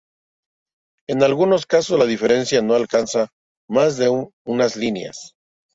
En algunos casos la diferencia no alcanza más de unas líneas.